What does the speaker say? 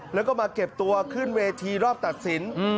แล้วก็มาเก็บตัวขึ้นเวทีรอบตัดสิน